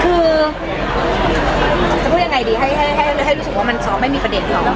คือจะพูดยังไงดีให้รู้สึกว่ามันซ้อมไม่มีประเด็นหรอก